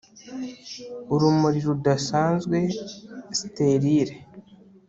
urumuri, rudasanzwe, sterile